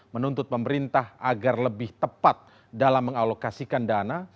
menuntut pemerintah agar lebih tepat dalam mengalokasikan dana